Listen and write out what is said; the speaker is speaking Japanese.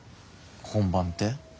本番って？